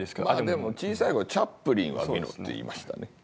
でも小さいころチャプリンは見ろって言いましたね。